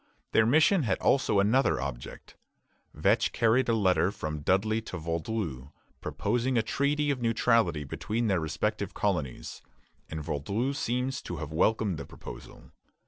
Their mission had also another object. Vetch carried a letter from Dudley to Vaudreuil, proposing a treaty of neutrality between their respective colonies, and Vaudreuil seems to have welcomed the proposal.